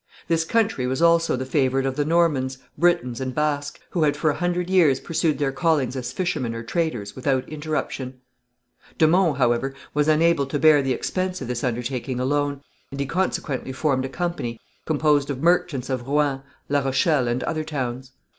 This country was also the favourite of the Normans, Britons and Basques, who for a hundred years had pursued their callings as fishermen or traders without interruption. De Monts, however, was unable to bear the expense of this undertaking alone, and he consequently formed a company, composed of merchants of Rouen, La Rochelle and other towns.